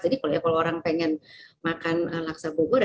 jadi kalau orang pengen makan laksa bogor